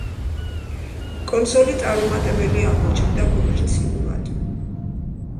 კონსოლი წარუმატებელი აღმოჩნდა კომერციულად.